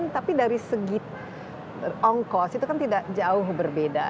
tapi dari segi ongkos itu kan tidak jauh berbeda